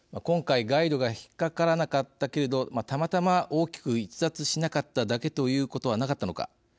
今回、ガイドが引っ掛からなかったけれどたまたま大きく逸脱しなかっただけということはなかったのか。